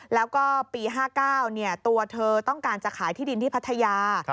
แล้วก็ปี๕๙ตัวเธอต้องการจะขายที่ดินที่พัทยา